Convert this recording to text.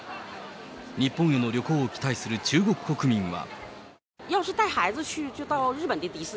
日本への旅行を期待する中国国民は。